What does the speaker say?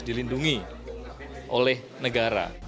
memilih adalah bentuk ekspresi